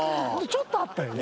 ちょっとあったよね。